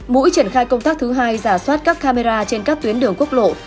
mũi triển khai công tác thứ hai giả soát các camera trên các tuyến đường quốc lộ